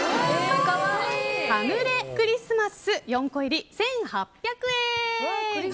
カヌレ・クリスマス４個入り１８００円。